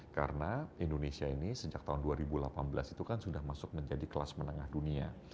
karena indonesia ini sejak tahun dua ribu delapan belas itu kan sudah masuk menjadi kelas menengah dunia